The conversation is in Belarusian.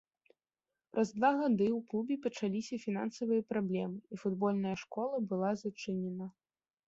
Праз два гады ў клубе пачаліся фінансавыя праблемы і футбольная школа была зачынена.